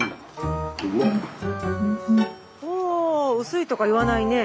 お薄いとか言わないね。